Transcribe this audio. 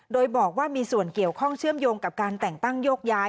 โดยบอกว่ามีส่วนเกี่ยวข้องเชื่อมโยงกับการแต่งตั้งโยกย้าย